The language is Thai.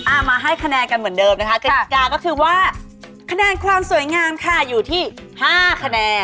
มาให้คะแนนกันเหมือนเดิมนะคะกติกาก็คือว่าคะแนนความสวยงามค่ะอยู่ที่ห้าคะแนน